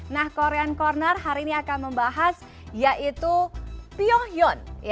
nah korean corner hari ini akan membahas yaitu pyong hyun